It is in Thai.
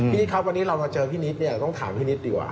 นิดครับวันนี้เรามาเจอพี่นิดเนี่ยต้องถามพี่นิดดีกว่า